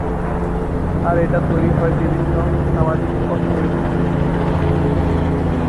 আর এটা তৈরি হয় বিভিন্ন সামাজিক অসঙ্গতি থেকে।